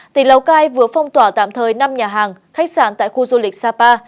tỉnh lào cai vừa phong tỏa tạm thời năm nhà hàng khách sạn tại khu du lịch sapa